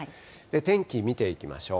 天気見ていきましょう。